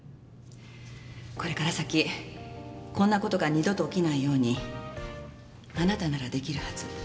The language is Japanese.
これから先こんな事が二度と起きないようにあなたなら出来るはず。